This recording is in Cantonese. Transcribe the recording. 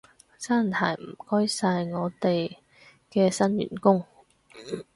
真係唔該晒，我哋嘅新員工